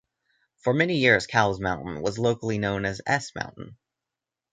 For many years Cowles Mountain was locally known as "S" Mountain.